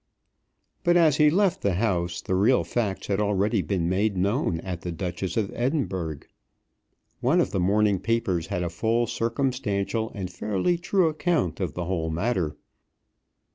But as he left the house the real facts had already been made known at the "Duchess of Edinburgh." One of the morning papers had a full, circumstantial, and fairly true account of the whole matter.